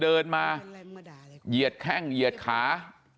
เดินไปเดินมาเสียดแค่งเสียดขา